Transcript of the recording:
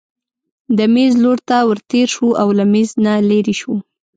د مېز لور ته ورتېر شو او له مېز نه لیرې شو.